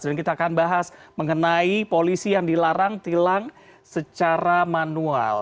dan kita akan bahas mengenai polisi yang dilarang tilang secara manual